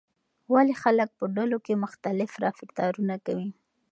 ولې خلک په ډلو کې مختلف رفتارونه کوي؟